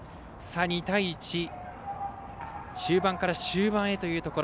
２対１、中盤から終盤へというところ。